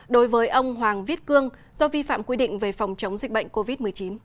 đối với ông hoàng viết cương do vi phạm quy định về phòng chống dịch bệnh covid một mươi chín